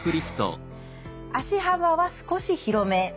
足幅は少し広め。